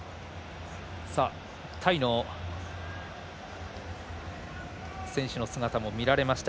タイの選手の姿も見られました。